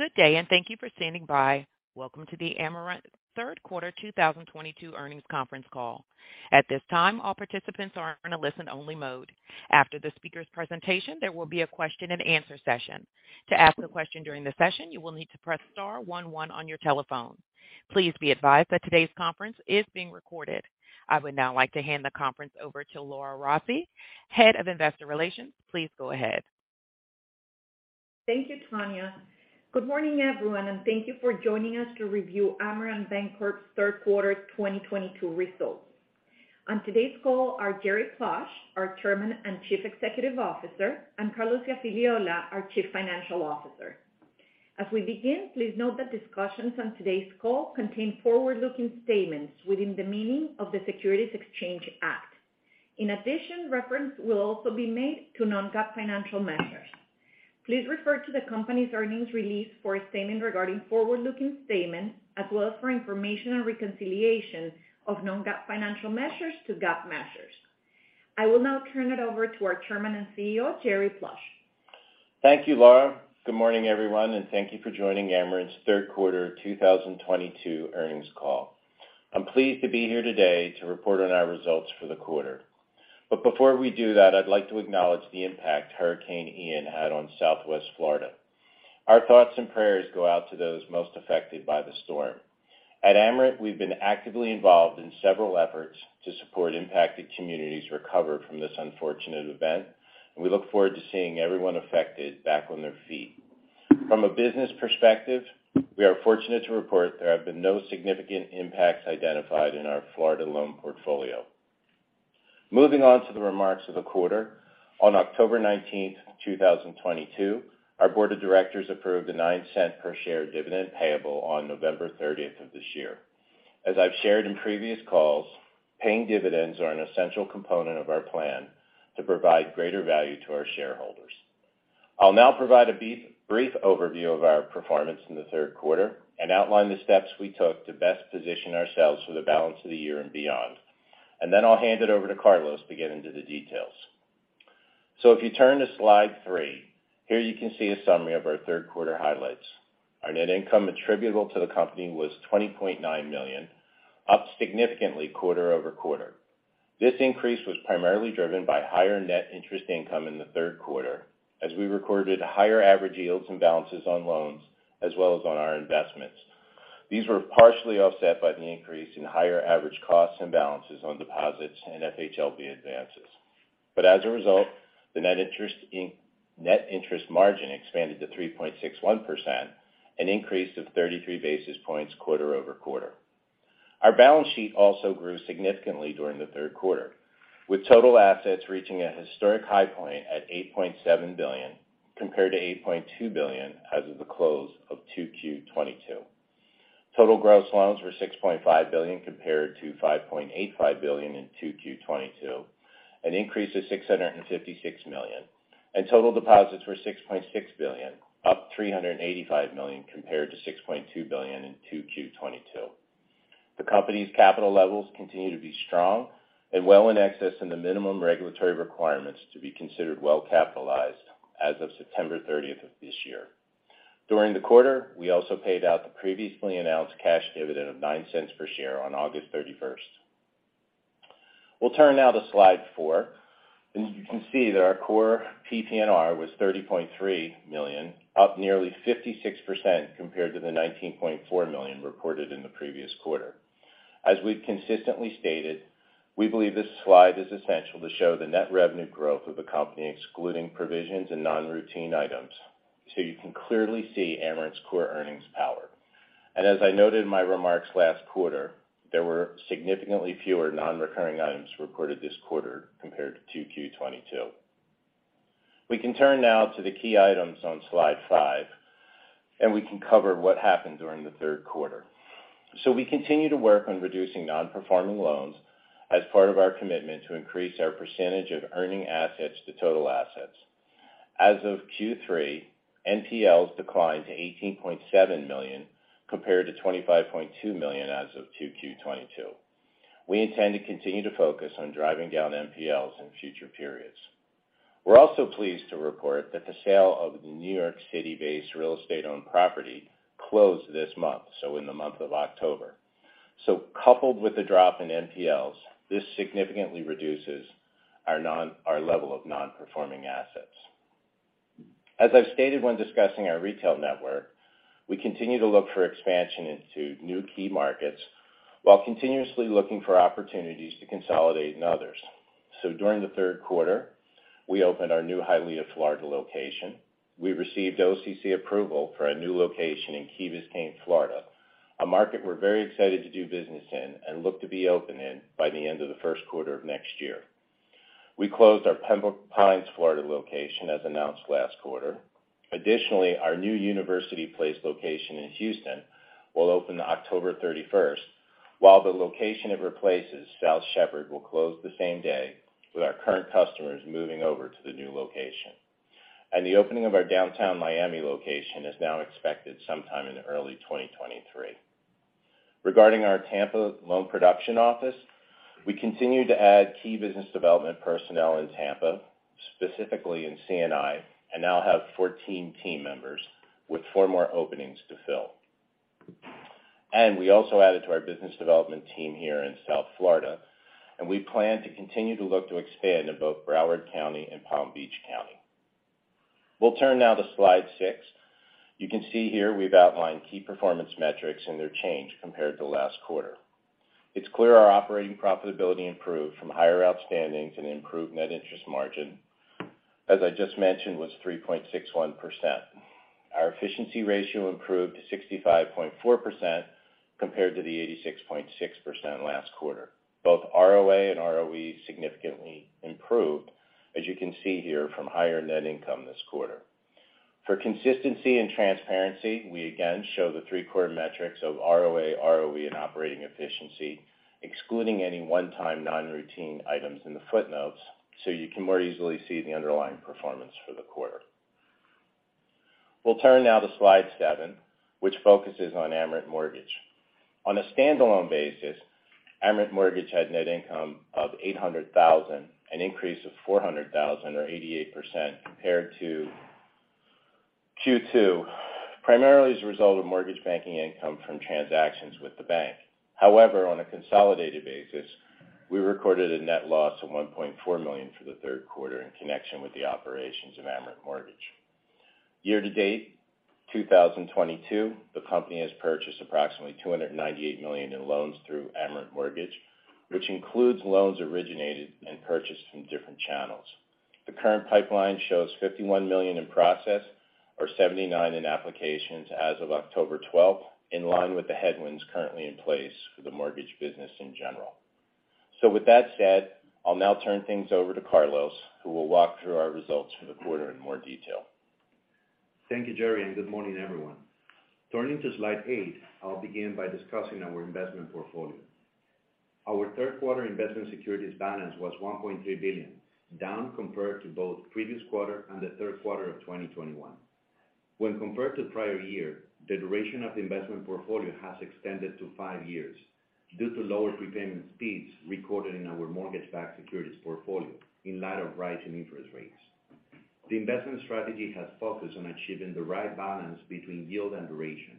Good day, and thank you for standing by. Welcome to the Amerant third quarter 2022 earnings conference call. At this time, all participants are in a listen-only mode. After the speaker's presentation, there will be a question and answer session. To ask a question during the session, you will need to press star one one on your telephone. Please be advised that today's conference is being recorded. I would now like to hand the conference over to Laura Rossi, Head of Investor Relations. Please go ahead. Thank you, Tanya. Good morning, everyone, and thank you for joining us to review Amerant Bancorp's third quarter 2022 results. On today's call are Jerry Plush, our Chairman and Chief Executive Officer, and Carlos Iafigliola, our Chief Financial Officer. As we begin, please note that discussions on today's call contain forward-looking statements within the meaning of the Securities Exchange Act. In addition, reference will also be made to non-GAAP financial measures. Please refer to the company's earnings release for a statement regarding forward-looking statements as well as for information and reconciliation of non-GAAP financial measures to GAAP measures. I will now turn it over to our Chairman and CEO, Jerry Plush. Thank you, Laura. Good morning, everyone, and thank you for joining Amerant's third quarter 2022 earnings call. I'm pleased to be here today to report on our results for the quarter. Before we do that, I'd like to acknowledge the impact Hurricane Ian had on Southwest Florida. Our thoughts and prayers go out to those most affected by the storm. At Amerant, we've been actively involved in several efforts to support impacted communities recover from this unfortunate event, and we look forward to seeing everyone affected back on their feet. From a business perspective, we are fortunate to report there have been no significant impacts identified in our Florida loan portfolio. Moving on to the remarks of the quarter. On October 19, 2022, our board of directors approved a $0.09 per share dividend payable on November 30 of this year. As I've shared in previous calls, paying dividends are an essential component of our plan to provide greater value to our shareholders. I'll now provide a brief overview of our performance in the third quarter and outline the steps we took to best position ourselves for the balance of the year and beyond. I'll hand it over to Carlos to get into the details. If you turn to slide three, here you can see a summary of our third quarter highlights. Our net income attributable to the company was $20.9 million, up significantly quarter-over-quarter. This increase was primarily driven by higher net interest income in the third quarter as we recorded higher average yields and balances on loans as well as on our investments. These were partially offset by the increases in higher average costs and balances on deposits and FHLB advances. As a result, the net interest margin expanded to 3.61%, an increase of 33 basis points quarter-over-quarter. Our balance sheet also grew significantly during the third quarter, with total assets reaching a historic high point at $8.7 billion compared to $8.2 billion as of the close of 2Q 2022. Total gross loans were $6.5 billion compared to $5.85 billion in 2Q 2022, an increase of $656 million. Total deposits were $6.6 billion, up $385 million compared to $6.2 billion in 2Q 2022. The company's capital levels continue to be strong and well in excess of the minimum regulatory requirements to be considered well-capitalized as of September 30th of this year. During the quarter, we also paid out the previously announced cash dividend of $0.09 per share on August 31st. We'll turn now to slide four, and you can see that our core PTPP was $30.3 million, up nearly 56% compared to the $19.4 million reported in the previous quarter. As we've consistently stated, we believe this slide is essential to show the net revenue growth of the company, excluding provisions and non-routine items, so you can clearly see Amerant's core earnings power. As I noted in my remarks last quarter, there were significantly fewer non-recurring items reported this quarter compared to 2Q 2022. We can turn now to the key items on slide five, and we can cover what happened during the third quarter. We continue to work on reducing non-performing loans as part of our commitment to increase our percentage of earning assets to total assets. As of Q3, NPLs declined to $18.7 million compared to $25.2 million as of 2Q 2022. We intend to continue to focus on driving down NPLs in future periods. We're also pleased to report that the sale of the New York City-based real estate-owned property closed this month, so in the month of October. Coupled with the drop in NPLs, this significantly reduces our level of non-performing assets. As I've stated when discussing our retail network, we continue to look for expansion into new key markets while continuously looking for opportunities to consolidate in others. During the third quarter, we opened our new Hialeah, Florida location. We received OCC approval for a new location in Key Biscayne, Florida, a market we're very excited to do business in and look to be open in by the end of the first quarter of next year. We closed our Pembroke Pines, Florida location as announced last quarter. Additionally, our new University Place location in Houston will open October 31, while the location it replaces, South Shepherd, will close the same day, with our current customers moving over to the new location. The opening of our downtown Miami location is now expected sometime in early 2023. Regarding our Tampa loan production office, we continue to add key business development personnel in Tampa, specifically in C&I, and now have 14 team members with four more openings to fill. We also added to our business development team here in South Florida, and we plan to continue to look to expand in both Broward County and Palm Beach County. We'll turn now to slide six. You can see here we've outlined key performance metrics and their change compared to last quarter. It's clear our operating profitability improved from higher outstandings and improved net interest margin, as I just mentioned, was 3.61%. Our efficiency ratio improved to 65.4% compared to the 86.6% last quarter. Both ROA and ROE significantly improved, as you can see here, from higher net income this quarter. For consistency and transparency, we again show the three core metrics of ROA, ROE, and operating efficiency, excluding any one-time non-routine items in the footnotes, so you can more easily see the underlying performance for the quarter. We'll turn now to slide seven, which focuses on Amerant Mortgage. On a standalone basis, Amerant Mortgage had net income of $800,000, an increase of $400,000 or 88% compared to Q2, primarily as a result of mortgage banking income from transactions with the bank. However, on a consolidated basis, we recorded a net loss of $1.4 million for the third quarter in connection with the operations of Amerant Mortgage. Year-to-date, 2022, the company has purchased approximately $298 million in loans through Amerant Mortgage, which includes loans originated and purchased from different channels. The current pipeline shows $51 million in process or $79 million in applications as of October 12, in line with the headwinds currently in place for the mortgage business in general. With that said, I'll now turn things over to Carlos, who will walk through our results for the quarter in more detail. Thank you, Jerry, and good morning, everyone. Turning to slide eight, I'll begin by discussing our investment portfolio. Our third quarter investment securities balance was $1.3 billion, down compared to both previous quarter and the third quarter of 2021. When compared to prior year, the duration of the investment portfolio has extended to five years due to lower prepayment speeds recorded in our mortgage-backed securities portfolio in light of rising interest rates. The investment strategy has focused on achieving the right balance between yield and duration,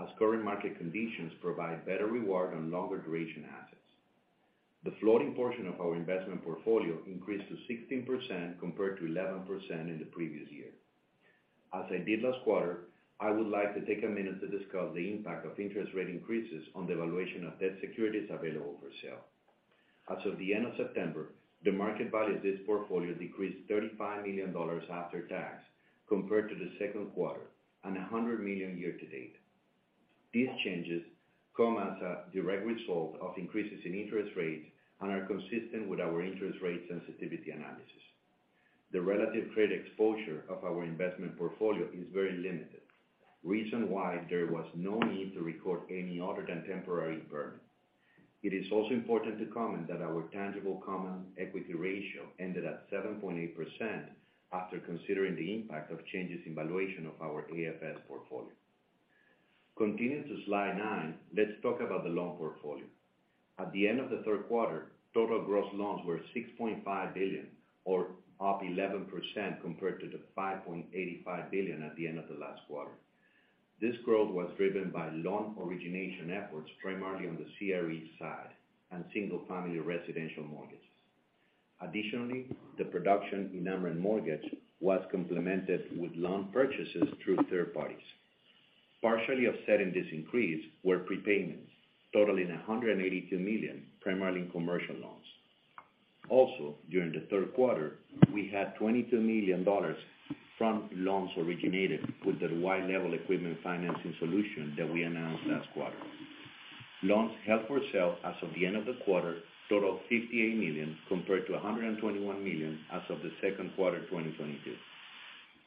as current market conditions provide better reward on longer duration assets. The floating portion of our investment portfolio increased to 16% compared to 11% in the previous year. As I did last quarter, I would like to take a minute to discuss the impact of interest rate increases on the valuation of debt securities available for sale. As of the end of September, the market value of this portfolio decreased $35 million after tax compared to the second quarter and $100 million year-to-date. These changes come as a direct result of increases in interest rates and are consistent with our interest rate sensitivity analysis. The relative credit exposure of our investment portfolio is very limited, reason why there was no need to record any other-than-temporary impairment. It is also important to comment that our tangible common equity ratio ended at 7.8% after considering the impact of changes in valuation of our AFS portfolio. Continuing to slide nine, let's talk about the loan portfolio. At the end of the third quarter, total gross loans were $6.5 billion or up 11% compared to the $5.85 billion at the end of the last quarter. This growth was driven by loan origination efforts primarily on the CRE side and single-family residential mortgages. Additionally, the production in Amerant Mortgage was complemented with loan purchases through third parties. Partially offsetting this increase were prepayments totaling $182 million, primarily in commercial loans. Also, during the third quarter, we had $22 million from loans originated with the white-label equipment financing solution that we announced last quarter. Loans held for sale as of the end of the quarter total $58 million compared to $121 million as of the second quarter 2022.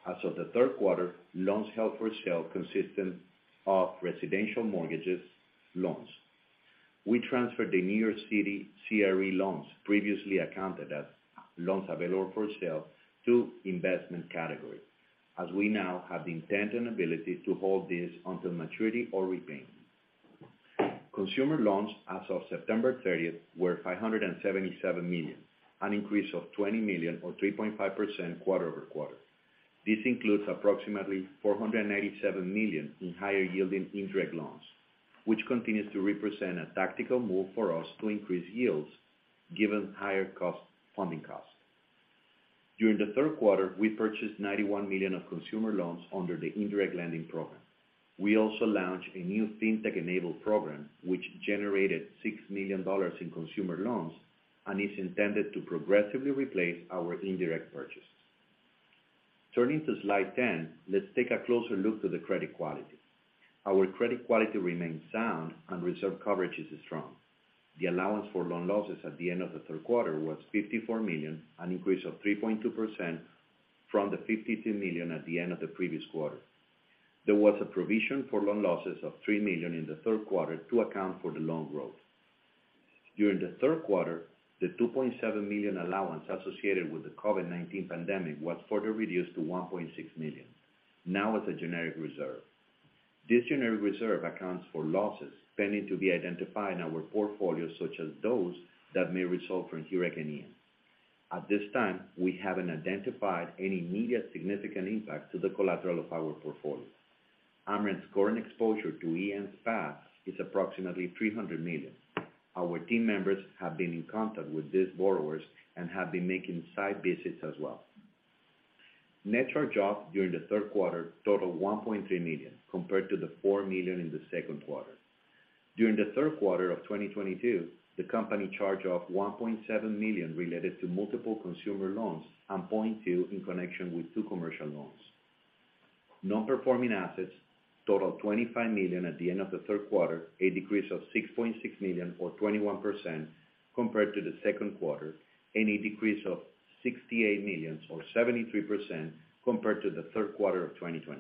As of the third quarter, loans held for sale consisted of residential mortgage loans. We transferred the New York City CRE loans previously accounted as loans available for sale to investment category, as we now have the intent and ability to hold these until maturity or repayment. Consumer loans as of September 30 were $577 million, an increase of $20 million or 3.5% quarter-over-quarter. This includes approximately $487 million in higher-yielding indirect loans, which continues to represent a tactical move for us to increase yields given higher-cost funding cost. During the third quarter, we purchased $91 million of consumer loans under the indirect lending program. We also launched a new fintech-enabled program, which generated $6 million in consumer loans and is intended to progressively replace our indirect purchases. Turning to slide 10, let's take a closer look at the credit quality. Our credit quality remains sound and reserve coverage is strong. The allowance for loan losses at the end of the third quarter was $54 million, an increase of 3.2% from the $52 million at the end of the previous quarter. There was a provision for loan losses of $3 million in the third quarter to account for the loan growth. During the third quarter, the $2.7 million allowance associated with the COVID-19 pandemic was further reduced to $1.6 million, now as a generic reserve. This generic reserve accounts for losses pending to be identified in our portfolio, such as those that may result from Hurricane Ian. At this time, we haven't identified any immediate significant impact to the collateral of our portfolio. Amerant's current exposure to Ian's path is approximately $300 million. Our team members have been in contact with these borrowers and have been making site visits as well. Net charge-off during the third quarter totaled $1.3 million compared to the $4 million in the second quarter. During the third quarter of 2022, the company charged off $1.7 million related to multiple consumer loans and $0.2 million in connection with two commercial loans. Non-performing assets totaled $25 million at the end of the third quarter, a decrease of $6.6 million or 21% compared to the second quarter, and a decrease of $68 million or 73% compared to the third quarter of 2021.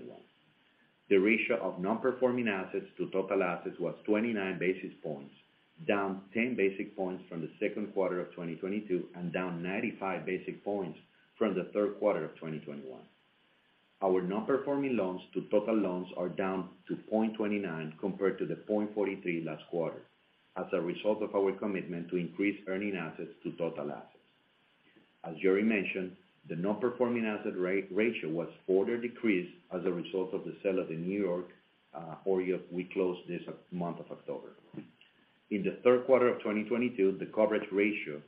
The ratio of non-performing assets to total assets was 29 basis points, down 10 basis points from the second quarter of 2022 and down 95 basis points from the third quarter of 2021. Our non-performing loans to total loans are down to 0.29 compared to the 0.43 last quarter, as a result of our commitment to increase earning assets to total assets. As Jerry mentioned, the non-performing asset ratio was further decreased as a result of the sale of the New York OREO we closed this month of October. In the third quarter of 2022, the coverage ratio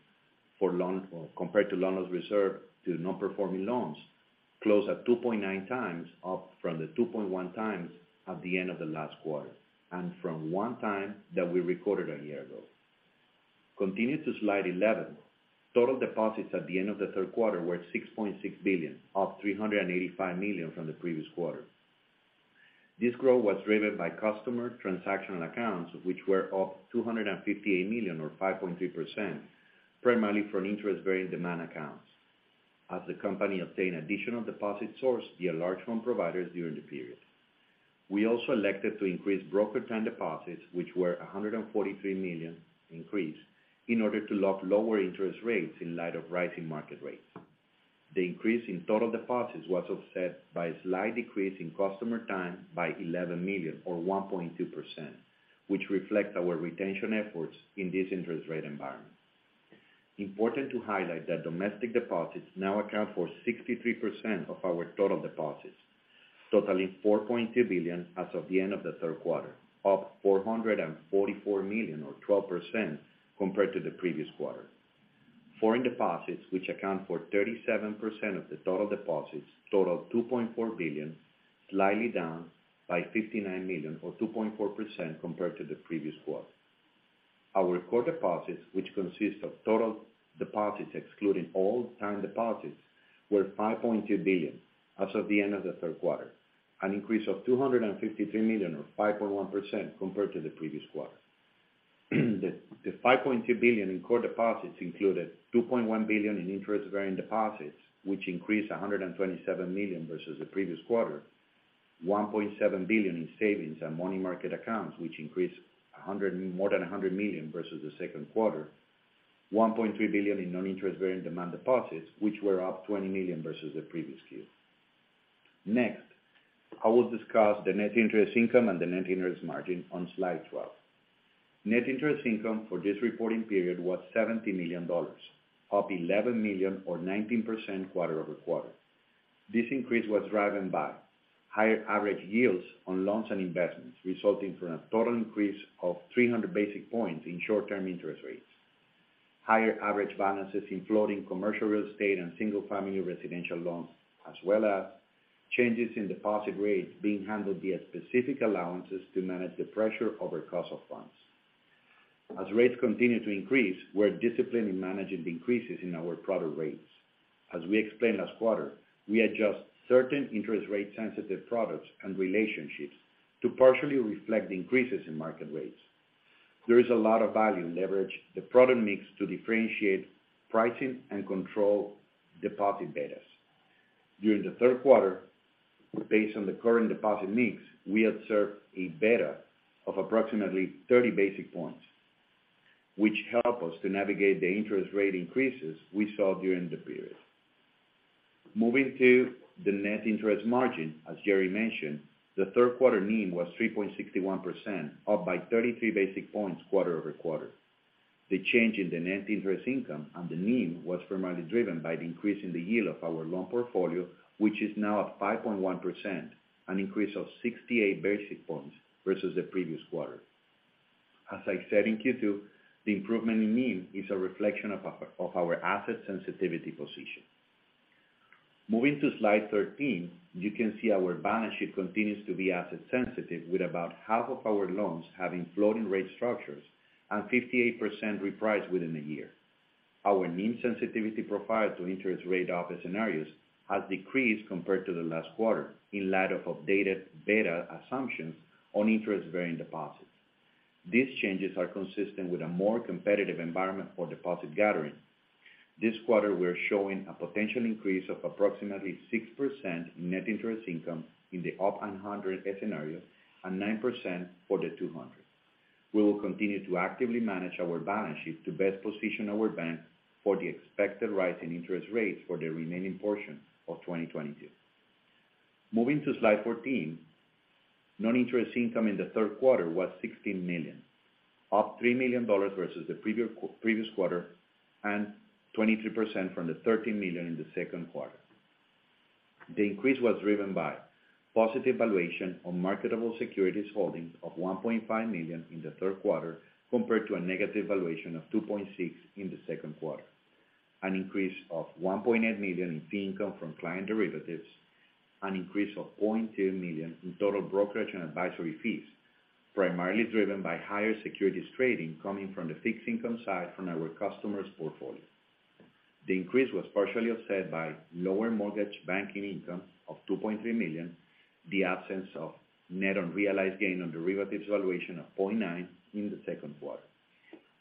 for loan loss reserve to non-performing loans closed at 2.9x, up from the 2.1x at the end of the last quarter, and from 1x that we recorded a year ago. Continue to slide eleven. Total deposits at the end of the third quarter were $6.6 billion, up $385 million from the previous quarter. This growth was driven by customer transactional accounts, which were up $258 million or 5.3%, primarily from interest-bearing demand accounts, as the company obtained additional deposit source via large fund providers during the period. We also elected to increase brokered time deposits, which were a $143 million increase, in order to lock in lower interest rates in light of rising market rates. The increase in total deposits was offset by a slight decrease in customer time deposits by $11 million or 1.2%, which reflects our retention efforts in this interest rate environment. Important to highlight that domestic deposits now account for 63% of our total deposits, totaling $4.2 billion as of the end of the third quarter, up $444 million or 12% compared to the previous quarter. Foreign deposits, which account for 37% of the total deposits, totaled $2.4 billion, slightly down by $59 million or 2.4% compared to the previous quarter. Our core deposits, which consist of total deposits excluding all time deposits, were $5.2 billion as of the end of the third quarter, an increase of $253 million or 5.1% compared to the previous quarter. The $5.2 billion in core deposits included $2.1 billion in interest-bearing deposits, which increased $127 million versus the previous quarter. $1.7 billion in savings and money market accounts, which increased more than $100 million versus the second quarter. $1.3 billion in non-interest-bearing demand deposits, which were up $20 million versus the previous Q. Next, I will discuss the net interest income and the net interest margin on slide 12. Net interest income for this reporting period was $70 million, up $11 million or 19% quarter-over-quarter. This increase was driven by higher average yields on loans and investments, resulting from a total increase of 300 basis points in short-term interest rates, higher average balances in floating commercial real estate and single-family residential loans, as well as changes in deposit rates being handled via specific allowances to manage the pressure on cost of funds. As rates continue to increase, we're disciplined in managing the increases in our product rates. As we explained last quarter, we adjust certain interest rate-sensitive products and relationships to partially reflect the increases in market rates. There is a lot of value in leveraging the product mix to differentiate pricing and control deposit betas. During the third quarter, based on the current deposit mix, we observed a beta of approximately 30 basis points, which helps us to navigate the interest rate increases we saw during the period. Moving to the net interest margin, as Jerry mentioned, the third quarter NIM was 3.61%, up by 33 basis points quarter-over-quarter. The change in the net interest income and the NIM was primarily driven by the increase in the yield of our loan portfolio, which is now at 5.1%, an increase of 68 basis points versus the previous quarter. As I said in Q2, the improvement in NIM is a reflection of our asset sensitivity position. Moving to slide 13, you can see our balance sheet continues to be asset sensitive with about half of our loans having floating rate structures and 58% repriced within a year. Our NIM sensitivity profile to interest rate offset scenarios has decreased compared to the last quarter in light of updated beta assumptions on interest-bearing deposits. These changes are consistent with a more competitive environment for deposit gathering. This quarter, we are showing a potential increase of approximately 6% net interest income in the up 100 scenario and 9% for the 200. We will continue to actively manage our balance sheet to best position our bank for the expected rise in interest rates for the remaining portion of 2022. Moving to slide 14. Non-interest income in the third quarter was $16 million, up $3 million versus the previous quarter, and 23% from the $13 million in the second quarter. The increase was driven by positive valuation on marketable securities holdings of $1.5 million in the third quarter, compared to a negative valuation of $2.6 million in the second quarter. An increase of $1.8 million in fee income from client derivatives. An increase of $0.2 million in total brokerage and advisory fees, primarily driven by higher securities trading coming from the fixed income side from our customers' portfolio. The increase was partially offset by lower mortgage banking income of $2.3 million, the absence of net unrealized gain on derivatives valuation of $0.9 million in the second quarter.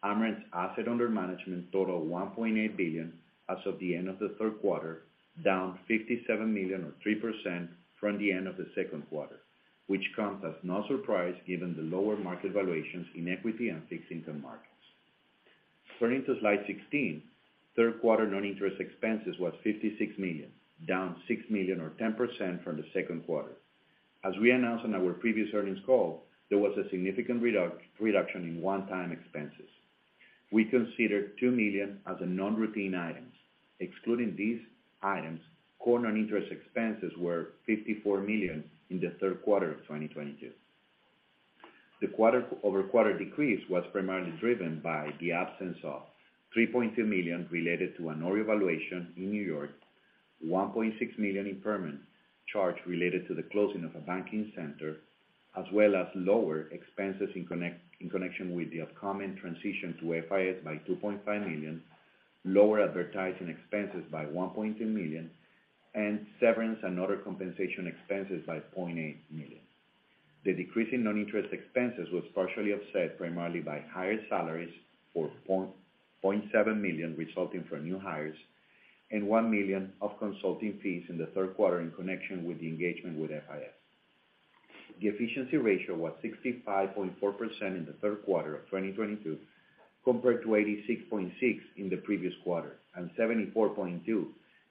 Amerant's assets under management totaled $1.8 billion as of the end of the third quarter, down $57 million or 3% from the end of the second quarter, which comes as no surprise given the lower market valuations in equity and fixed income markets. Turning to slide 16. Third quarter noninterest expenses were $56 million, down $6 million or 10% from the second quarter. As we announced on our previous earnings call, there was a significant reduction in one-time expenses. We consider $2 million as non-routine items. Excluding these items, core non-interest expenses were $54 million in the third quarter of 2022. The quarter-over-quarter decrease was primarily driven by the absence of $3.2 million related to a revaluation in New York, $1.6 million impairment charge related to the closing of a banking center, as well as lower expenses in connection with the upcoming transition to FIS by $2.5 million, lower advertising expenses by $1.2 million, and severance and other compensation expenses by $0.8 million. The decrease in non-interest expenses was partially offset primarily by higher salaries of $0.7 million resulting from new hires, and $1 million of consulting fees in the third quarter in connection with the engagement with FIS. The efficiency ratio was 65.4% in the third quarter of 2022, compared to 86.6% in the previous quarter and 74.2%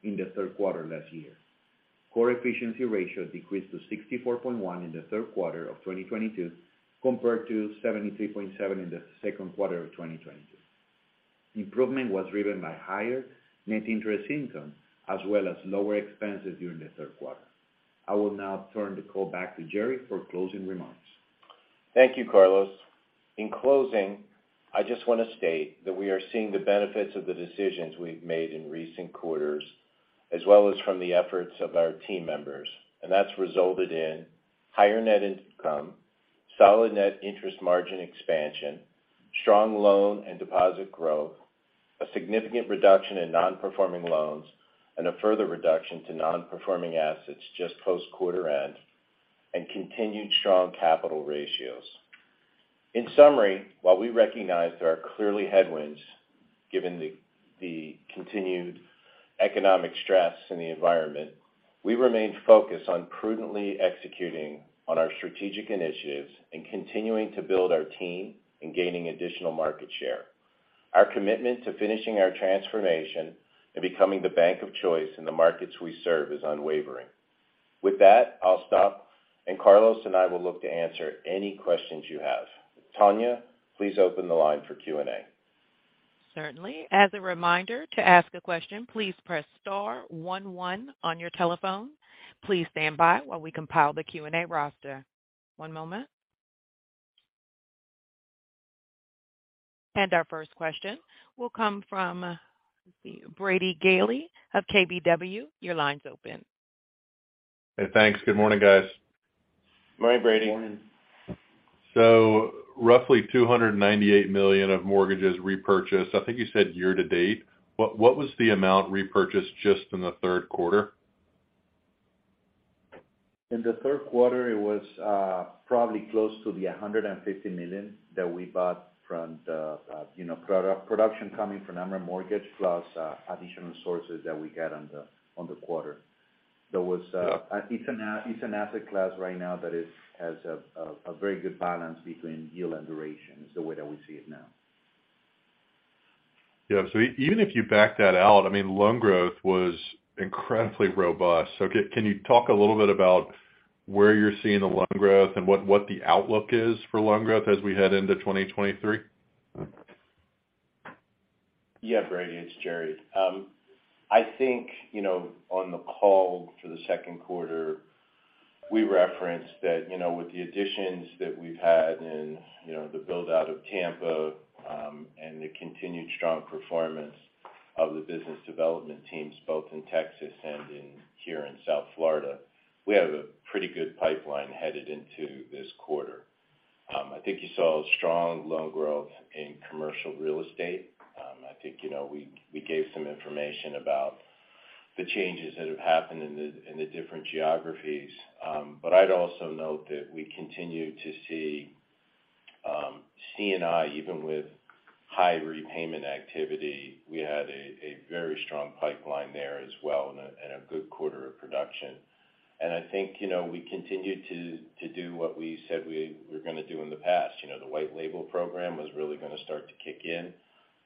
in the third quarter last year. Core efficiency ratio decreased to 64.1% in the third quarter of 2022, compared to 73.7% in the second quarter of 2022. Improvement was driven by higher net interest income as well as lower expenses during the third quarter. I will now turn the call back to Jerry for closing remarks. Thank you, Carlos. In closing, I just want to state that we are seeing the benefits of the decisions we've made in recent quarters, as well as from the efforts of our team members, and that's resulted in higher net income, solid net interest margin expansion, strong loan and deposit growth, a significant reduction in non-performing loans, and a further reduction to non-performing assets just post quarter end, and continued strong capital ratios. In summary, while we recognize there are clearly headwinds given the continued economic stress in the environment, we remain focused on prudently executing on our strategic initiatives and continuing to build our team in gaining additional market share. Our commitment to finishing our transformation and becoming the bank of choice in the markets we serve is unwavering. With that, I'll stop, and Carlos and I will look to answer any questions you have. Tanya, please open the line for Q&A. Certainly. As a reminder, to ask a question, please press star one one on your telephone. Please stand by while we compile the Q&A roster. One moment. Our first question will come from, let's see, Brady Gailey of KBW. Your line's open. Hey, thanks. Good morning, guys. Morning, Brady. Morning. Roughly $298 million of mortgages repurchased, I think you said year to date. What was the amount repurchased just in the third quarter? In the third quarter, it was probably close to $150 million that we bought from the, you know, production coming from Amerant Mortgage, plus additional sources that we got on the quarter. There was... Yeah. It's an asset class right now that has a very good balance between yield and duration, is the way that we see it now. Yeah. Even if you back that out, I mean, loan growth was incredibly robust. Can you talk a little bit about where you're seeing the loan growth and what the outlook is for loan growth as we head into 2023? Yeah, Brady, it's Jerry. I think, you know, on the call for the second quarter, we referenced that, you know, with the additions that we've had and, you know, the build-out of Tampa, and the continued strong performance of the business development teams both in Texas and here in South Florida, we have a pretty good pipeline headed into this quarter. I think you saw strong loan growth in commercial real estate. I think, you know, we gave some information about the changes that have happened in the different geographies. But I'd also note that we continue to see C&I, even with high repayment activity, we had a very strong pipeline there as well and a good quarter of production. I think, you know, we continued to do what we said we were gonna do in the past. You know, the white label program was really gonna start to kick in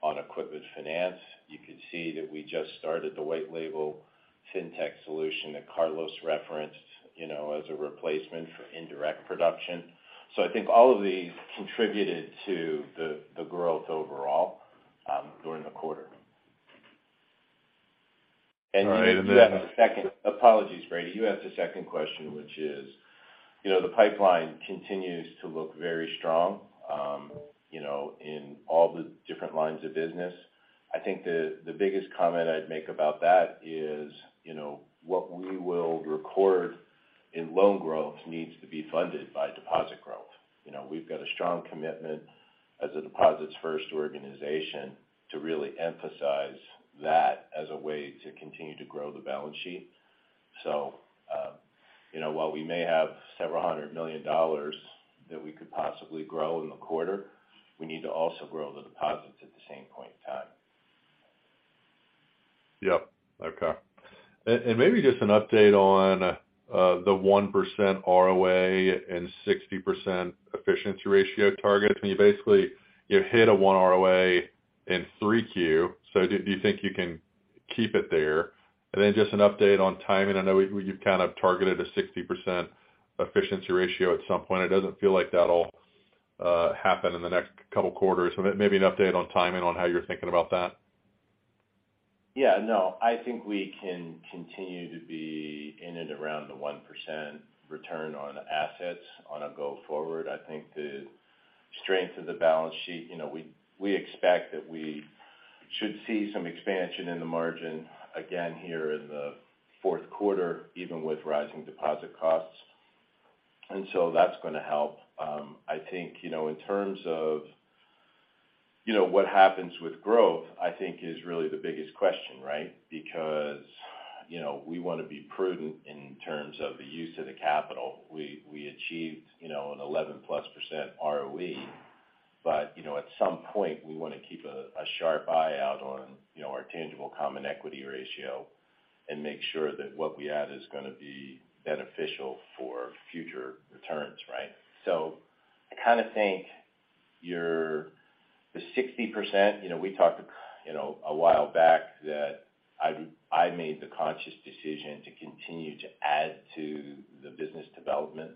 on equipment finance. You could see that we just started the white label fintech solution that Carlos referenced, you know, as a replacement for indirect production. I think all of these contributed to the growth overall during the quarter. All right. You had the second. Apologies, Brady. You asked a second question, which is, you know, the pipeline continues to look very strong, you know, in all the different lines of business. I think the biggest comment I'd make about that is, you know, what we will record in loan growth needs to be funded by deposit growth. You know, we've got a strong commitment as a deposits-first organization to really emphasize that as a way to continue to grow the balance sheet. While we may have several hundred million dollars that we could possibly grow in the quarter, we need to also grow the deposits at the same point in time. Yep. Okay. And maybe just an update on the 1% ROA and 60% efficiency ratio target. I mean, you basically hit a 1% ROA in 3Q. Do you think you can keep it there? Then just an update on timing. I know you've kind of targeted a 60% efficiency ratio at some point. It doesn't feel like that'll happen in the next couple quarters. Maybe an update on timing on how you're thinking about that. Yeah, no. I think we can continue to be in and around the 1% return on assets on a go forward. I think the strength of the balance sheet, you know, we expect that we should see some expansion in the margin again here in the fourth quarter, even with rising deposit costs. That's gonna help. I think, you know, in terms of, you know, what happens with growth, I think is really the biggest question, right? Because, you know, we want to be prudent in terms of the use of the capital. We achieved, you know, an 11+% ROE. You know, at some point, we want to keep a sharp eye out on, you know, our tangible common equity ratio and make sure that what we add is gonna be beneficial for future returns, right? I kind of think the 60%, you know, we talked, you know, a while back that I made the conscious decision to continue to add to the business development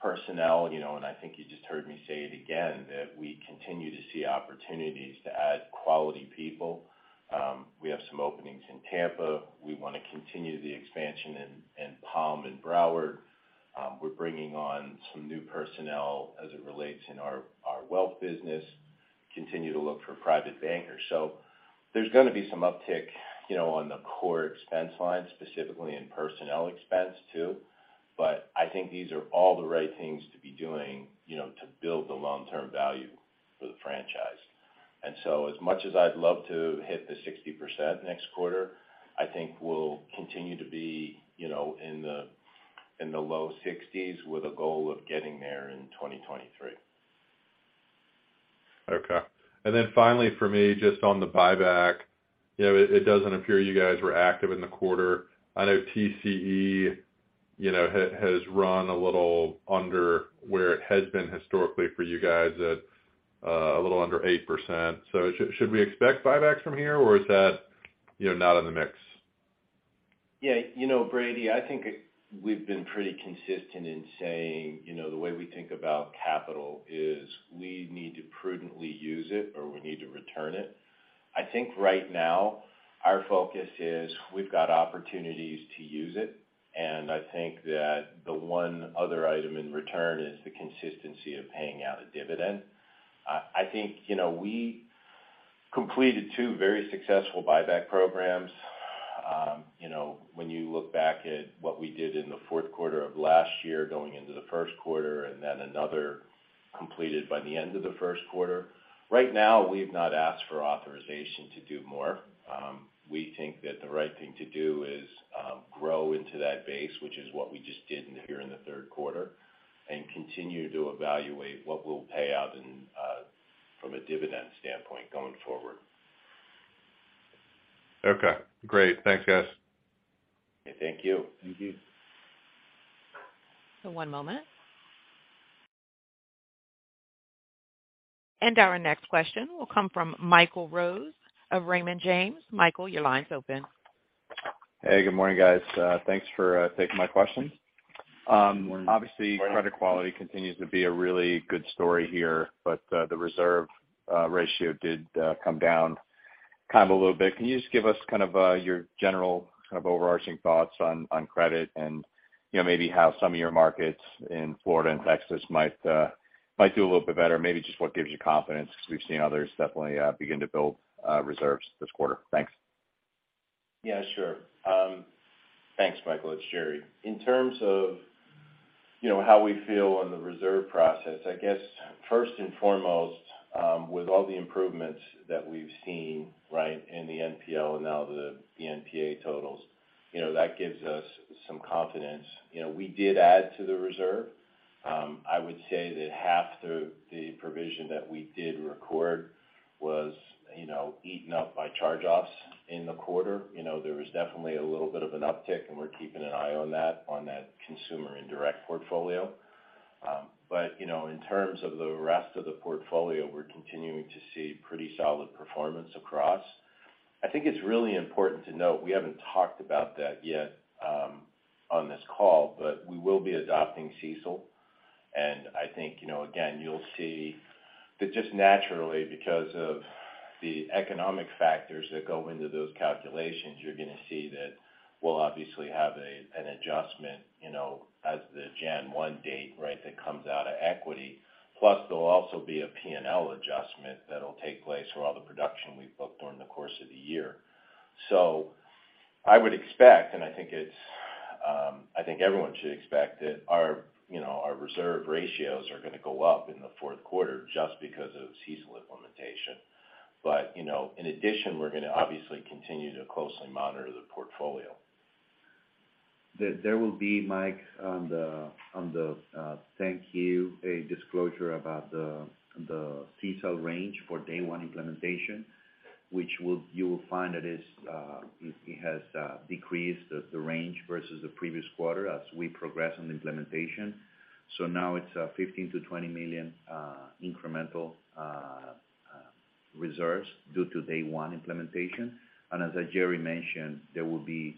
personnel. You know, I think you just heard me say it again, that we continue to see opportunities to add quality people. We have some openings in Tampa. We want to continue the expansion in Palm and Broward. We're bringing on some new personnel as it relates in our wealth business, continue to look for private bankers. There's gonna be some uptick, you know, on the core expense line, specifically in personnel expense too. I think these are all the right things to be doing, you know, to build the long-term value for the franchise. As much as I'd love to hit the 60% next quarter, I think we'll continue to be, you know, in the low 60s with a goal of getting there in 2023. Okay. Finally for me, just on the buyback, you know, it doesn't appear you guys were active in the quarter. I know TCE, you know, has run a little under where it has been historically for you guys at a little under 8%. Should we expect buybacks from here, or is that, you know, not in the mix? Yeah. You know, Brady, I think we've been pretty consistent in saying, you know, the way we think about capital is we need to prudently use it, or we need to return it. I think right now our focus is we've got opportunities to use it, and I think that the one other item in return is the consistency of paying out a dividend. I think, you know, we completed two very successful buyback programs. You know, when you look back at what we did in the fourth quarter of last year, going into the first quarter and then another completed by the end of the first quarter. Right now, we've not asked for authorization to do more. We think that the right thing to do is grow into that base, which is what we just did in the third quarter, and continue to evaluate what we'll pay out in from a dividend standpoint going forward. Okay. Great. Thanks, guys. Thank you. Thank you. One moment. Our next question will come from Michael Rose of Raymond James. Michael, your line's open. Hey, good morning, guys. Thanks for taking my questions. Good morning. Obviously, credit quality continues to be a really good story here, but the reserve ratio did come down kind of a little bit. Can you just give us kind of your general kind of overarching thoughts on credit and, you know, maybe how some of your markets in Florida and Texas might do a little bit better? Maybe just what gives you confidence, because we've seen others definitely begin to build reserves this quarter. Thanks. Yeah, sure. Thanks, Michael. It's Jerry. In terms of, you know, how we feel on the reserve process, I guess first and foremost, with all the improvements that we've seen, right, in the NPL and now the NPA totals. You know, that gives us some confidence. You know, we did add to the reserve. I would say that half the provision that we did record was, you know, eaten up by charge-offs in the quarter. You know, there was definitely a little bit of an uptick, and we're keeping an eye on that, on that consumer indirect portfolio. But, you know, in terms of the rest of the portfolio, we're continuing to see pretty solid performance across. I think it's really important to note, we haven't talked about that yet, on this call, but we will be adopting CECL. I think, you know, again, you'll see that just naturally, because of the economic factors that go into those calculations, you're gonna see that we'll obviously have an adjustment, you know, as the January 1 date, right, that comes out of equity. Plus, there'll also be a P&L adjustment that'll take place for all the production we've booked during the course of the year. I would expect, and I think everyone should expect that our, you know, our reserve ratios are gonna go up in the fourth quarter just because of CECL implementation. In addition, we're gonna obviously continue to closely monitor the portfolio. There will be, Mike, a disclosure about the CECL range for day one implementation, which you will find that it has decreased the range versus the previous quarter as we progress on the implementation. Now it's $15 million-$20 million incremental reserves due to day one implementation. As Jerry mentioned, there will be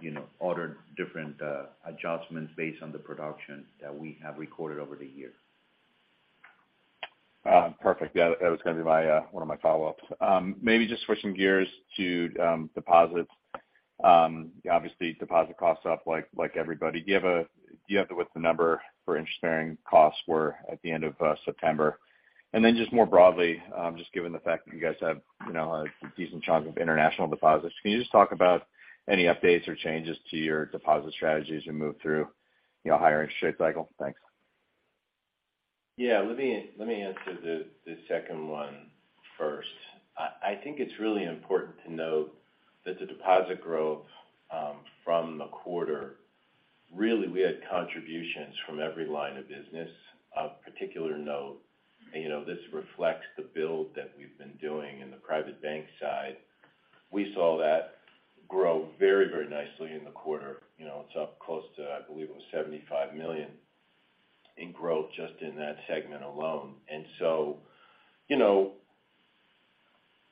you know other different adjustments based on the production that we have recorded over the year. Perfect. Yeah, that was gonna be one of my follow-ups. Maybe just switching gears to deposits. Obviously, deposit costs up like everybody. Do you have what the number for interest-bearing costs were at the end of September? Just more broadly, given the fact that you guys have, you know, a decent chunk of international deposits, can you just talk about any updates or changes to your deposit strategy as you move through, you know, a higher interest rate cycle? Thanks. Yeah. Let me answer the second one first. I think it's really important to note that the deposit growth from the quarter really we had contributions from every line of business. Of particular note, you know, this reflects the build that we've been doing in the private bank side. We saw that grow very, very nicely in the quarter. You know, it's up close to, I believe it was $75 million in growth just in that segment alone. You know,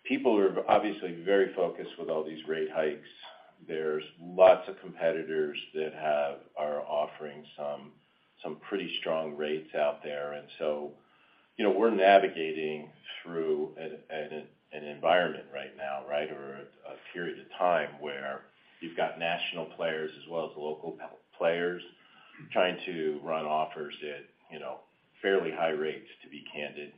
people are obviously very focused with all these rate hikes. There's lots of competitors that are offering some pretty strong rates out there. You know, we're navigating through an environment right now, right, or a period of time where you've got national players as well as local players trying to run offers at, you know, fairly high rates, to be candid.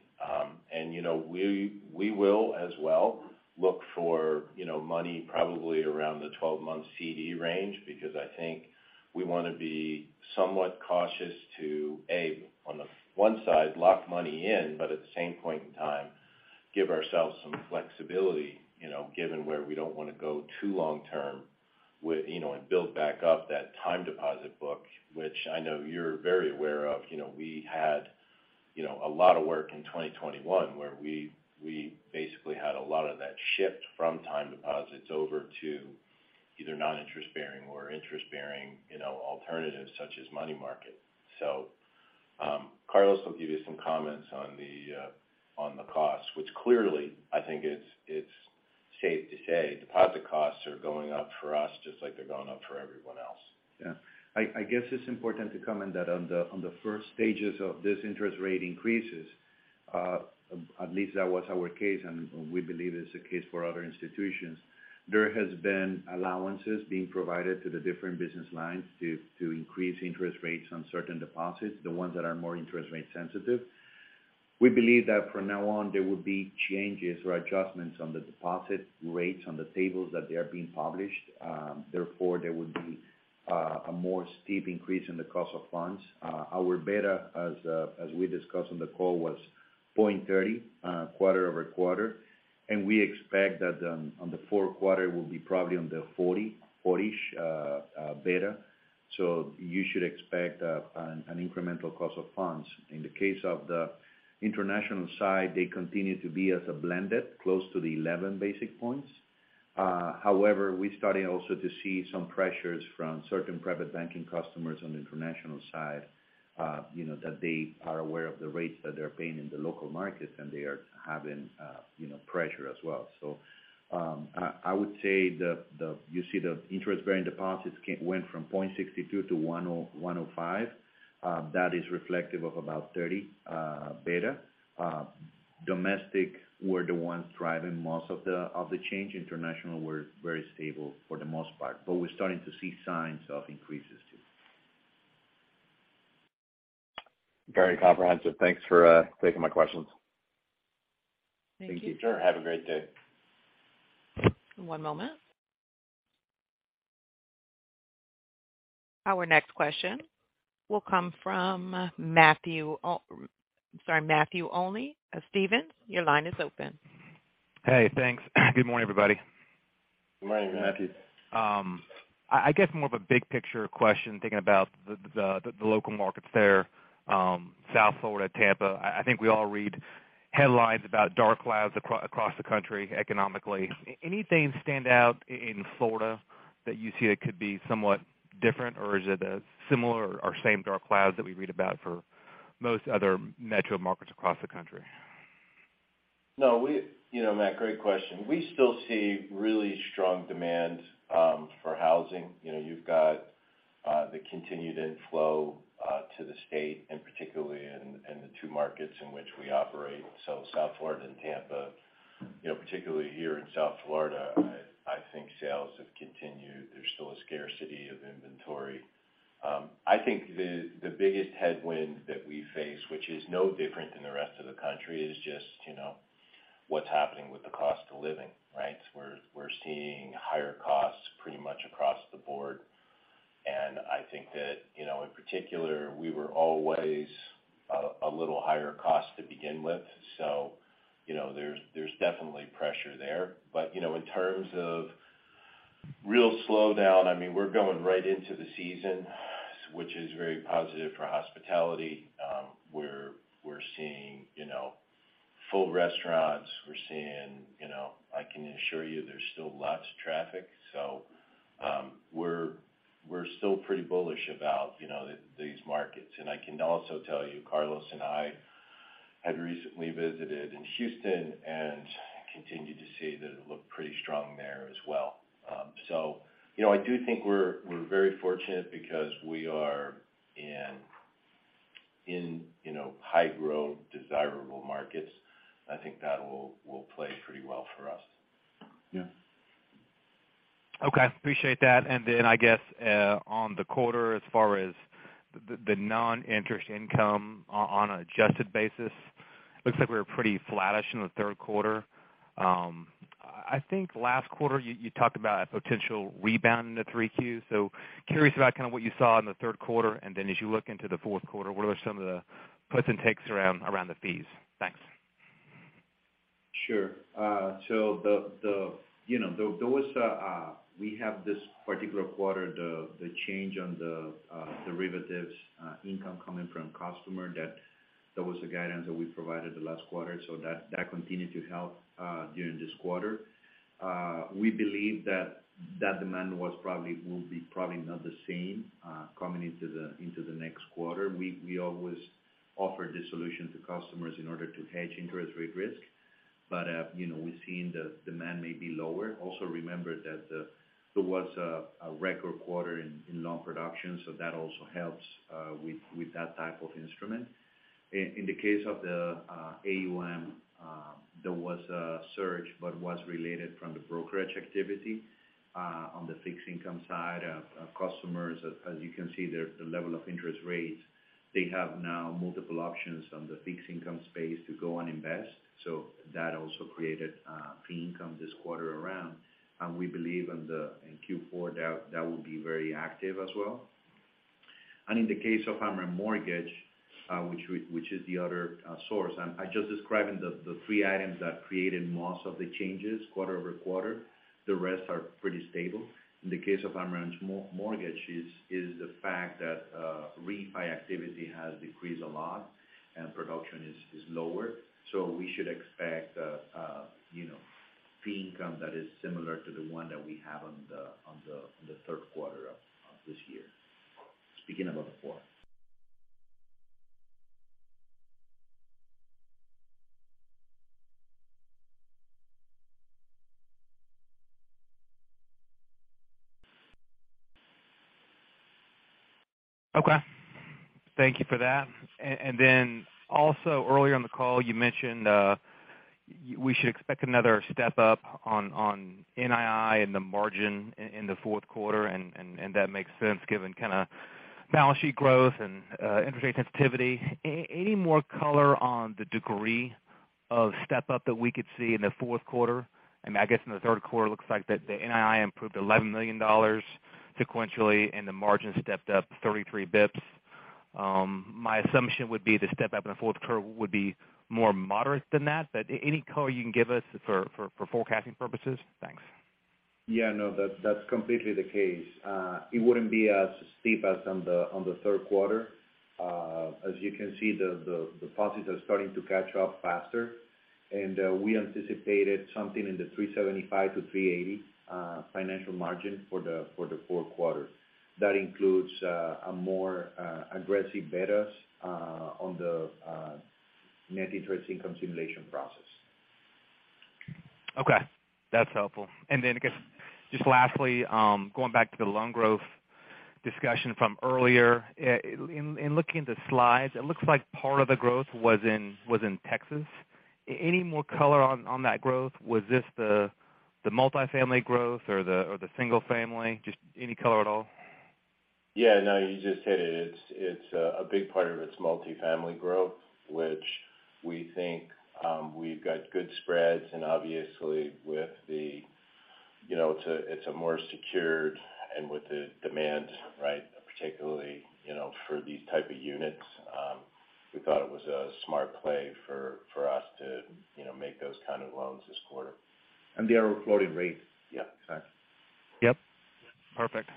You know, we will as well look for, you know, money probably around the 12-month CD range because I think we wanna be somewhat cautious to, A, on the one side, lock money in, but at the same point in time, give ourselves some flexibility, you know, given where we don't wanna go too long term with, you know, and build back up that time deposit book, which I know you're very aware of. You know, we had, you know, a lot of work in 2021 where we basically had a lot of that shift from time deposits over to either non-interest bearing or interest bearing, you know, alternatives such as money market. Carlos will give you some comments on the cost, which clearly, I think it's safe to say deposit costs are going up for us just like they're going up for everyone else. Yeah. I guess it's important to comment that on the first stages of this interest rate increases, at least that was our case, and we believe it's the case for other institutions. There has been allowances being provided to the different business lines to increase interest rates on certain deposits, the ones that are more interest rate sensitive. We believe that from now on, there will be changes or adjustments on the deposit rates on the tables that they are being published. Therefore, there will be a more steep increase in the cost of funds. Our beta, as we discussed on the call, was 0.30 quarter-over-quarter. We expect that on the fourth quarter will be probably on the 40-ish beta. You should expect an incremental cost of funds. In the case of the international side, they continue to be as a blended, close to the 11 basis points. However, we're starting also to see some pressures from certain private banking customers on the international side, you know, that they are aware of the rates that they're paying in the local market, and they are having, you know, pressure as well. I would say you see the interest-bearing deposits went from 0.62 to 1.05. That is reflective of about 30 beta. Domestic were the ones driving most of the change. International were very stable for the most part, but we're starting to see signs of increases too. Very comprehensive. Thanks for taking my questions. Thank you. Thank you. Have a great day. One moment. Our next question will come from Matthew Olney of Stephens. Your line is open. Hey, thanks. Good morning, everybody. Good morning, Matthew. I guess more of a big picture question, thinking about the local markets there, South Florida, Tampa. I think we all read headlines about dark clouds across the country economically. Anything stand out in Florida that you see that could be somewhat different, or is it a similar or same dark clouds that we read about for most other metro markets across the country? No, you know, Matt, great question. We still see really strong demand for housing. You know, you've got the continued inflow to the state and particularly in the two markets in which we operate, so South Florida and Tampa. You know, particularly here in South Florida, I think sales have continued. There's still a scarcity of inventory. I think the biggest headwind that we face, which is no different than the rest of the country, is just, you know, what's happening with the cost of living, right? We're seeing higher costs pretty much across the board. I think that, you know, in particular, we were always a little higher cost to begin with. You know, there's definitely pressure there. You know, in terms of real slowdown, I mean, we're going right into the season, which is very positive for hospitality. We're seeing, you know, full restaurants. We're seeing, you know, I can assure you there's still lots of traffic. We're still pretty bullish about, you know, these markets. I can also tell you, Carlos and I had recently visited in Houston and continued to see that it looked pretty strong there as well. You know, I do think we're very fortunate because we are in, you know, high-growth, desirable markets. I think that will play pretty well for us. Yeah. Okay. Appreciate that. I guess on the quarter as far as the non-interest income on an adjusted basis, looks like we were pretty flattish in the third quarter. I think last quarter you talked about a potential rebound in the 3Q. Curious about kind of what you saw in the third quarter, and then as you look into the fourth quarter, what are some of the puts and takes around the fees? Thanks. Sure. You know, we have this particular quarter, the change on the derivatives income coming from customer that was the guidance that we provided the last quarter. That continued to help during this quarter. We believe that demand will be probably not the same coming into the next quarter. We always offer the solution to customers in order to hedge interest rate risk. You know, we've seen the demand may be lower. Also remember there was a record quarter in loan production, so that also helps with that type of instrument. In the case of the AUM, there was a surge, but it was related to the brokerage activity on the fixed income side of customers. As you can see, the level of interest rates, they have now multiple options on the fixed income space to go and invest. That also created fee income this quarter. We believe in Q4 that will be very active as well. In the case of Amerant Mortgage, which is the other source, and I just described the three items that created most of the changes quarter-over-quarter. The rest are pretty stable. In the case of Amerant Mortgage is the fact that refi activity has decreased a lot and production is lower. We should expect, you know, fee income that is similar to the one that we have on the third quarter of this year. Speaking about the fourth. Okay. Thank you for that. Then also earlier in the call, you mentioned we should expect another step up on NII and the margin in the fourth quarter. That makes sense given kind of balance sheet growth and interest rate sensitivity. Any more color on the degree of step up that we could see in the fourth quarter? I mean, I guess in the third quarter, it looks like the NII improved $11 million sequentially, and the margin stepped up 33 basis points. My assumption would be the step up in the fourth quarter would be more moderate than that. Any color you can give us for forecasting purposes? Thanks. Yeah, no, that's completely the case. It wouldn't be as steep as on the third quarter. As you can see, the deposits are starting to catch up faster. We anticipated something in the 3.75%-3.80% financial margin for the fourth quarter. That includes a more aggressive betas on the net interest income simulation process. Okay. That's helpful. I guess just lastly, going back to the loan growth discussion from earlier. In looking at the slides, it looks like part of the growth was in Texas. Any more color on that growth? Was this the multifamily growth or the single family? Just any color at all? Yeah, no, you just hit it. It's a big part of it's multifamily growth, which We think we've got good spreads and obviously with the, you know, it's a more secured and with the demand, right, particularly, you know, for these type of units, we thought it was a smart play for us to, you know, make those kind of loans this quarter. They are floating rates. Yeah. Exactly. Yep. Perfect.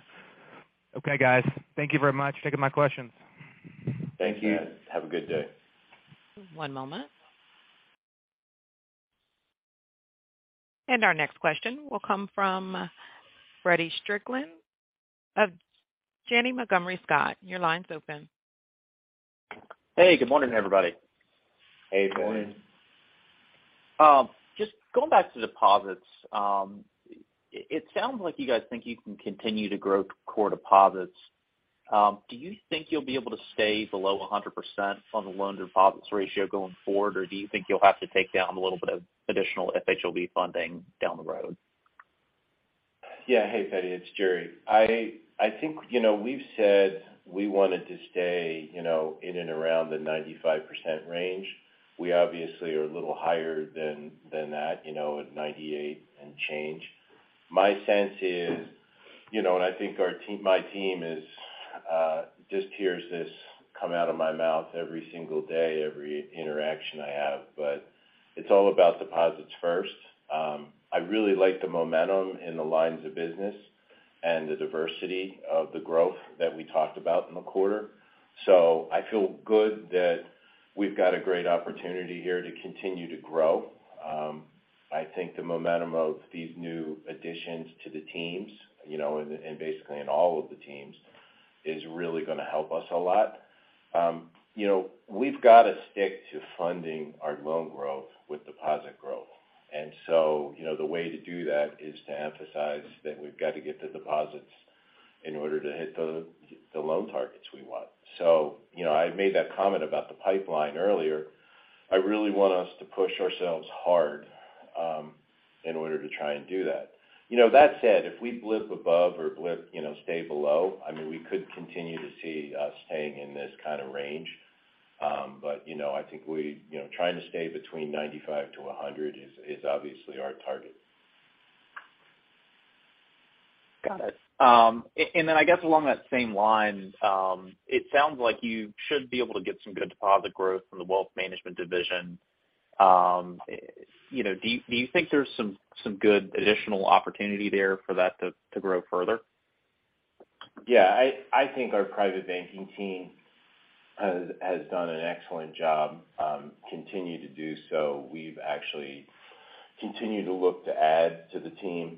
Okay, guys. Thank you very much for taking my questions. Thank you. Have a good day. One moment. Our next question will come from Feddie Strickland of Janney Montgomery Scott. Your line's open. Hey, good morning, everybody. Hey. Good morning. Just going back to deposits, it sounds like you guys think you can continue to grow core deposits. Do you think you'll be able to stay below 100% on the loan-to-deposit ratio going forward, or do you think you'll have to take down a little bit of additional FHLB funding down the road? Yeah. Hey, Feddie, it's Jerry. I think, you know, we've said we wanted to stay, you know, in and around the 95% range. We obviously are a little higher than that, you know, at 98% and change. My sense is, you know, and I think our team, my team just hears this come out of my mouth every single day, every interaction I have, but it's all about deposits first. I really like the momentum in the lines of business and the diversity of the growth that we talked about in the quarter. I feel good that we've got a great opportunity here to continue to grow. I think the momentum of these new additions to the teams, you know, and basically in all of the teams is really gonna help us a lot. You know, we've got to stick to funding our loan growth with deposit growth. You know, the way to do that is to emphasize that we've got to get the deposits in order to hit the loan targets we want. You know, I made that comment about the pipeline earlier. I really want us to push ourselves hard in order to try and do that. You know, that said, if we blip above or blip, you know, stay below, I mean, we could continue to see us staying in this kind of range. You know, I think we, you know, trying to stay between 95%-100% is obviously our target. Got it. I guess along that same line, it sounds like you should be able to get some good deposit growth from the wealth management division. You know, do you think there's some good additional opportunity there for that to grow further? Yeah. I think our private banking team has done an excellent job, continue to do so. We've actually continued to look to add to the team.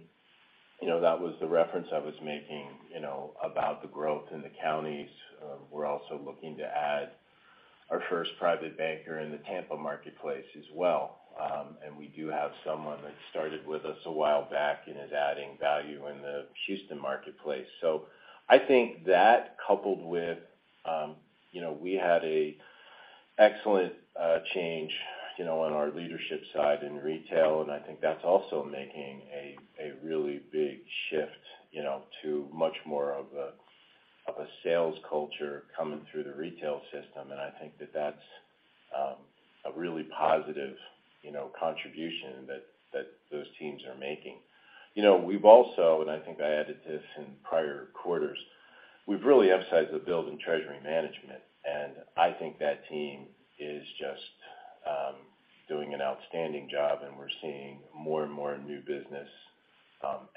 You know, that was the reference I was making, you know, about the growth in the counties. We're also looking to add our first private banker in the Tampa marketplace as well. We do have someone that started with us a while back and is adding value in the Houston marketplace. I think that coupled with, you know, we had an excellent change, you know, on our leadership side in retail, and I think that's also making a really big shift, you know, to much more of a sales culture coming through the retail system. I think that that's a really positive, you know, contribution that those teams are making. You know, we've also, and I think I added this in prior quarters, we've really upsized the build in treasury management, and I think that team is just doing an outstanding job, and we're seeing more and more new business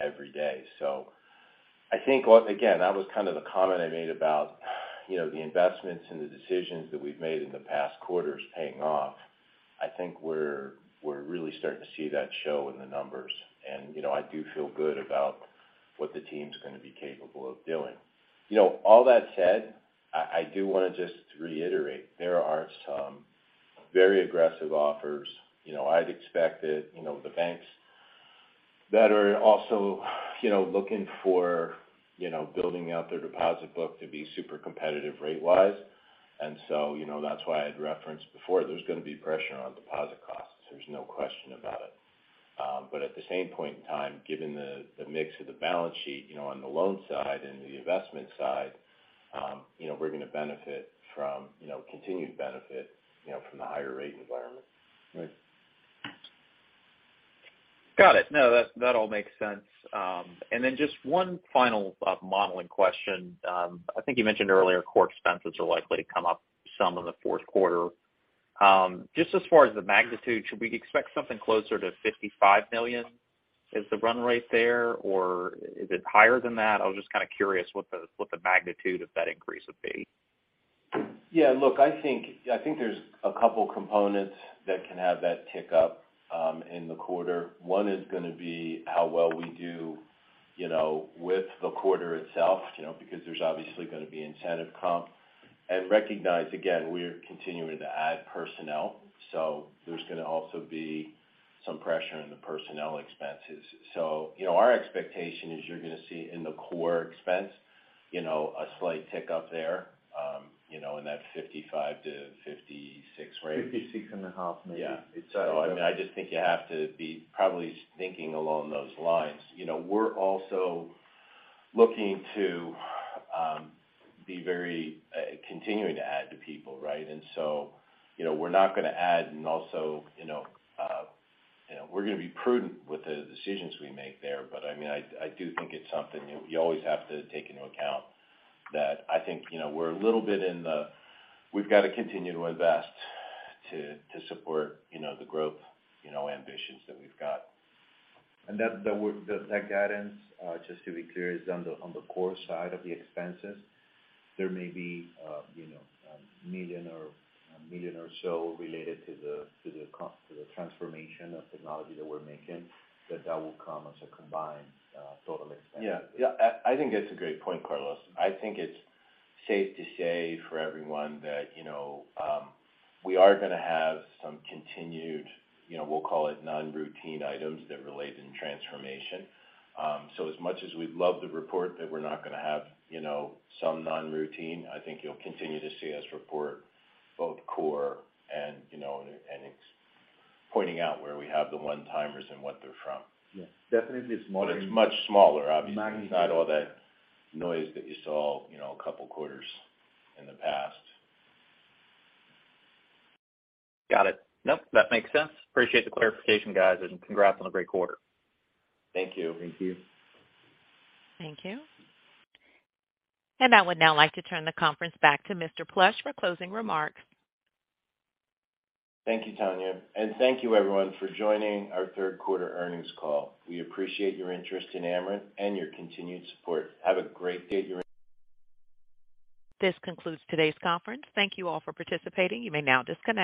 every day. I think once again, that was kind of the comment I made about, you know, the investments and the decisions that we've made in the past quarters paying off. I think we're really starting to see that show in the numbers. You know, I do feel good about what the team's gonna be capable of doing. You know, all that said, I do wanna just reiterate, there are some very aggressive offers. You know, I'd expect that, you know, the banks that are also, you know, looking for, you know, building out their deposit book to be super competitive rate-wise. You know, that's why I'd referenced before there's gonna be pressure on deposit costs. There's no question about it. At the same point in time, given the mix of the balance sheet, you know, on the loan side and the investment side, you know, we're gonna benefit from, you know, continued benefit, you know, from the higher rate environment. Right. Got it. No, that all makes sense. Just one final modeling question. I think you mentioned earlier core expenses are likely to come up some in the fourth quarter. Just as far as the magnitude, should we expect something closer to $55 million is the run rate there, or is it higher than that? I was just kind of curious what the magnitude of that increase would be. Yeah, look, I think there's a couple components that can have that tick up in the quarter. One is gonna be how well we do, you know, with the quarter itself, you know, because there's obviously gonna be incentive comp. Recognize, again, we're continuing to add personnel, so there's gonna also be some pressure in the personnel expenses. You know, our expectation is you're gonna see in the core expense, you know, a slight tick-up there, you know, in that $55 million-$56 million range. $56.5 million. Yeah. I mean, I just think you have to be probably thinking along those lines. You know, we're also looking to be very continuing to add to people, right? You know, we're gonna be prudent with the decisions we make there. I mean, I do think it's something, you know, you always have to take into account that I think, you know, we're a little bit. We've got to continue to invest to support, you know, the growth, you know, ambitions that we've got. That guidance, just to be clear, is on the core side of the expenses. There may be, you know, $1 million or so related to the transformation of technology that we're making, but that will come as a combined total expense. Yeah, I think that's a great point, Carlos. I think it's safe to say for everyone that, you know, we are gonna have some continued, you know, we'll call it non-routine items that relate in transformation. So as much as we'd love to report that we're not gonna have, you know, some non-routine, I think you'll continue to see us report both core and, you know, and pointing out where we have the one-timers and what they're from. Yeah. Definitely smaller. It's much smaller, obviously. Magnitude. It's not all that noise that you saw, you know, a couple quarters in the past. Got it. Nope, that makes sense. Appreciate the clarification, guys. Congrats on a great quarter. Thank you. Thank you. Thank you. I would now like to turn the conference back to Mr. Plush for closing remarks. Thank you, Tanya. Thank you everyone for joining our third quarter earnings call. We appreciate your interest in Amerant and your continued support. Have a great day everyone. This concludes today's conference. Thank you all for participating. You may now disconnect.